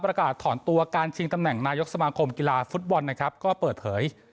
ประกาศถอนตัวการชิงตำแหน่งนายกสมาคมกีฬาฟุตบอลนะครับก็เปิดเผย